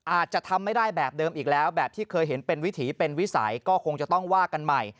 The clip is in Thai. อาจจะทำไม่ได้แบบเดิมอีกแล้วแบบที่เคยเห็นเป็นวิถีเป็นวิสัยก็คงจะต้องว่ากันใหม่